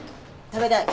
食べたい。